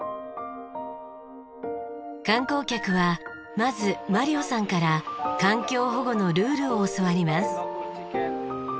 観光客はまずマリオさんから環境保護のルールを教わります。